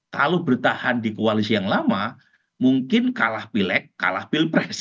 kalau bertahan di koalisi yang lama mungkin kalah pilek kalah pilpres